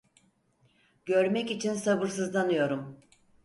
Görmek için sabırsızlanıyorum.